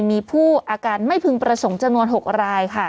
มีผู้อาการไม่พึงประสงค์จำนวน๖รายค่ะ